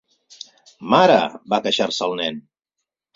"Mare!" va queixar-se el nen.